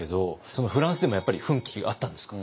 そのフランスでもやっぱり奮起あったんですか？